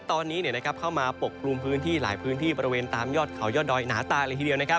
ตอนนี้เนี้ยนะครับเข้ามาปกปรุงพื้นที่หลายพื้นที่ประเวณตามยอดข่อยอดดอยหนาตากรีกทีเดียว